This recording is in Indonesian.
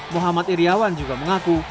muhammad iryawan juga mengaku